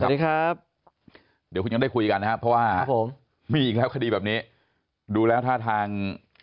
สวัสดีครับเดี๋ยวคุณยังได้คุยกันนะครับเพราะว่ามีอีกแล้วคดีแบบนี้ดูแล้วท่าทาง